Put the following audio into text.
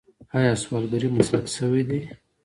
آیا سوالګري مسلک شوی دی؟